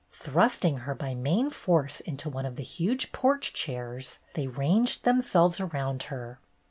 Thrusting her by main force into one of the huge porch chairs, they ranged themselves round her.